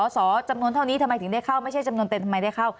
สอจำนวนเท่านี้ทำไมถึงได้เข้าไม่ใช่จำนวนเต็มทำไมได้เข้า